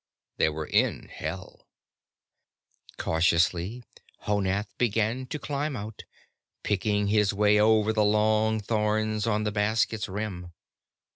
They were in Hell. Cautiously, Honath began to climb out, picking his way over the long thorns on the basket's rim.